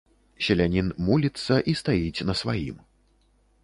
Селянін муліцца і стаіць на сваім.